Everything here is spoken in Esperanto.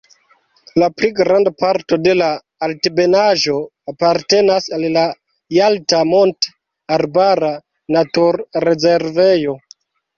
La pli granda parto de la altebenaĵo apartenas al la Jalta mont-arbara naturrezervejo.